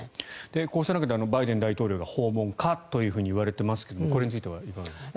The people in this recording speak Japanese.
こうした中でバイデン大統領が訪問かというふうにいわれていますがこれについてはいかがですか。